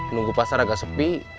nunggu pasar agak sepi